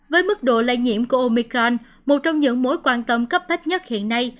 với mức độ lây nhiễm của omicron một trong những mối quan tâm cấp bách nhất hiện nay